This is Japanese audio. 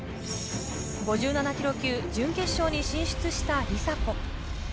５７ｋｇ級、準決勝に進出した梨紗子。